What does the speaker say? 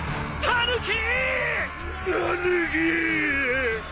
タヌキ！